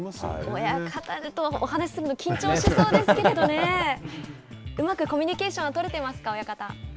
親方とお話しするの緊張しそうですけどねうまくコミュニケーションはとれていますか、親方。